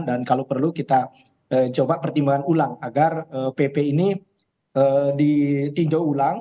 dan kalau perlu kita coba pertimbangan ulang agar pp ini ditinjau ulang